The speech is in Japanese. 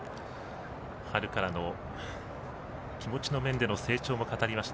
春からの気持ちの面での成長を語りました